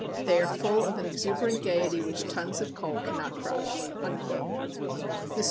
They are full of an exuberant gaiety which tons of coal cannot crush." Mr.